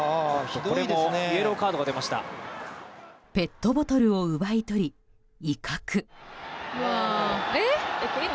ペットボトルを奪い取り威嚇。